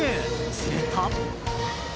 すると。